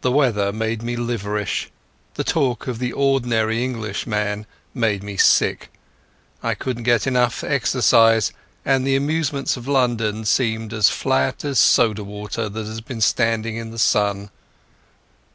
The weather made me liverish, the talk of the ordinary Englishman made me sick. I couldn't get enough exercise, and the amusements of London seemed as flat as soda water that has been standing in the sun.